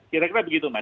kira kira begitu mas